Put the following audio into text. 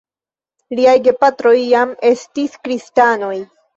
Liaj gepatroj jam estis kristanoj.